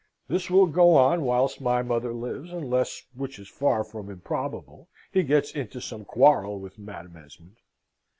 This will go on whilst my mother lives, unless, which is far from improbable, he gets into some quarrel with Madam Esmond.